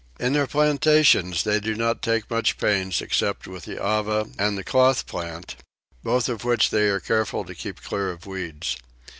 In their plantations they do not take much pains except with the Ava and the Cloth plant, both of which they are careful to keep clear of weeds.